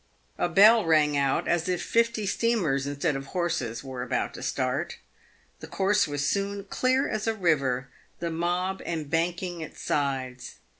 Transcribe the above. A bell rang out as if fifty steamers, instead of horses, were about to start. The course was soon clear as a river, the mob embanking its sides.